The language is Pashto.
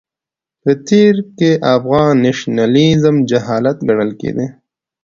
په تېر کې افغان نېشنلېزم جهالت ګڼل کېده.